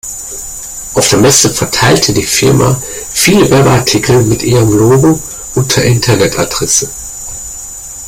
Auf der Messe verteilte die Firma viele Werbeartikel mit ihrem Logo und der Internetadresse.